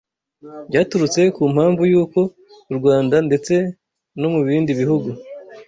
byaturutse ku mpamvu y’uko u Rwanda ndetse no mu bindi bihugu